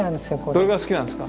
どれが好きなんですか？